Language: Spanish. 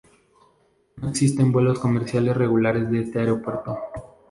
No existen vuelos comerciales regulares de este aeropuerto